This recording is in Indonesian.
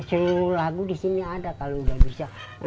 seluruh lagu di sini ada kalau udah bisa